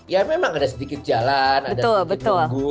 ya memang ada sedikit jalan ada sedikit tugu